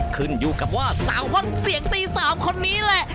ขึ้นอยู่กับว่าสาววัดเสียงตี๓คนนี้แหละ